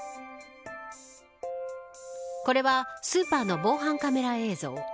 これはスーパーの防犯カメラ映像。